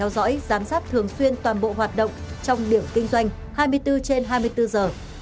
để theo dõi giám sát thường xuyên toàn bộ hoạt động trong điểm kinh doanh hai mươi bốn trên hai mươi bốn giờ